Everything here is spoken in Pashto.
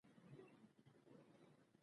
ولایتونه افغانانو ته په معنوي لحاظ ارزښت لري.